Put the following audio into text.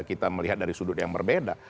kita melihat dari sudut yang berbeda